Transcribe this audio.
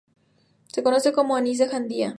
Se conoce como "anís de Jandía".